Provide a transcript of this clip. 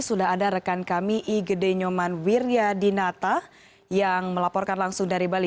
sudah ada rekan kami igede nyoman wiryadinata yang melaporkan langsung dari bali